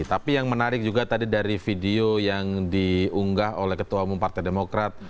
tapi yang menarik juga tadi dari video yang diunggah oleh ketua umum partai demokrat